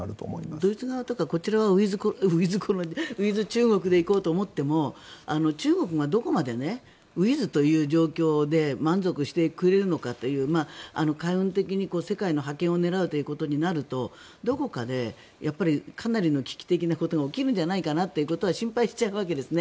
ドイツ側とかこちらはウィズ中国で行こうと思っても中国がどこまでウィズという状況で満足してくれるのかっていう海運的に世界の覇権を狙うということになるとどこかでかなりの危機的なことが起きるんじゃないかということは心配しちゃうわけですね。